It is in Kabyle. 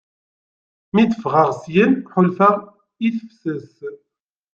mi d-ffɣeɣ syen ḥulfaɣ i tefses.